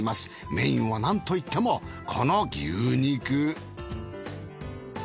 メインはなんといってもこの牛肉。